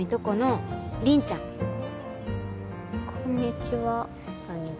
こんにちは。